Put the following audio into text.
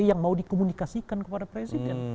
yang mau dikomunikasikan kepada presiden